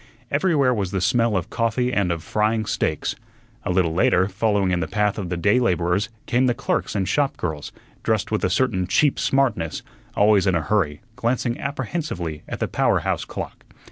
Everywhere was the smell of coffee and of frying steaks. A little later, following in the path of the day laborers, came the clerks and shop girls, dressed with a certain cheap smartness, always in a hurry, glancing apprehensively at the power house clock.